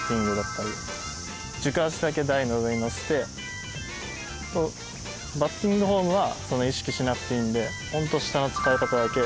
軸足だけ台の上に乗せてバッティングフォームは意識しなくていいんでホント下の使い方だけ。